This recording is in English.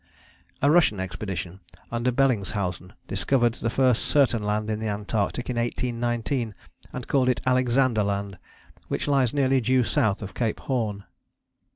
" A Russian expedition under Bellingshausen discovered the first certain land in the Antarctic in 1819, and called it Alexander Land, which lies nearly due south of Cape Horn.